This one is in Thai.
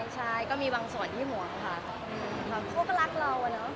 ใช่ก็มีบางส่วนที่ห่วงค่ะเขาก็รักเราอะเนาะ